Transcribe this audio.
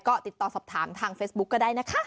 ก็ติดต่อสอบถามทางเฟซบุ๊กก็ได้นะคะ